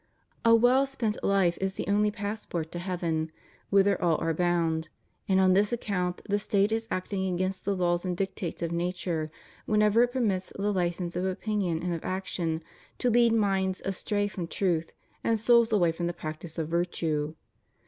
A well spent life is the only pass port to heaven, whither all are bound, and on this account the State is acting against the laws and dictates of nature whenever it permits the license of opinion and of action to lead minds astray from truth and souls away from the practice of virtue.